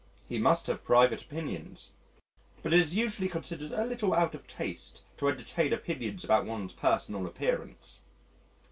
He must have private opinions. But it is usually considered a little out of taste to entertain opinions about one's personal appearance.